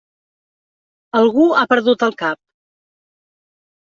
Algú ha perdut el cap.